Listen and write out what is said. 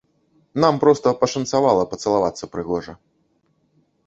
Нам проста пашанцавала пацалавацца прыгожа.